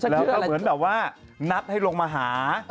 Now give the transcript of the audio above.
แล้วก็เหมือนแบบว่านัดให้ลงมาหา